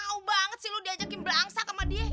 tunggu dulu tunggu dulu